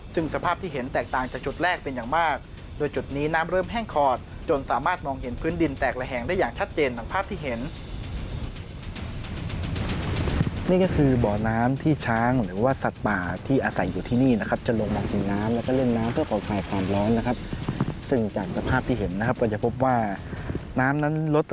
ซึ่งสภาพที่เห็นแตกต่างจากจุดแรกเป็นอย่างมากโดยจุดนี้น้ำเริ่มแห้งขอดจนสามารถมองเห็นพื้นดินแตกระแหงได้อย่างชัดเจนดังภาพที่เห็นนะครับ